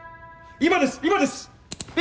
今です！